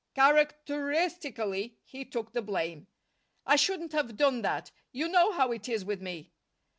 Characteristically he took the blame. "I shouldn't have done that You know how it is with me."